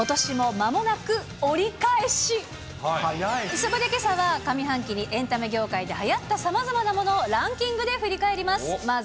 そこでけさは上半期にエンタメ業界ではやったさまざまなものをランキングで振り返ります。